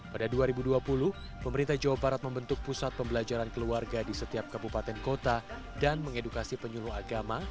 pada dua ribu dua puluh pemerintah jawa barat membentuk pusat pembelajaran keluarga di setiap kabupaten kota dan mengedukasi penyuluh agama